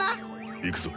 行くぞ。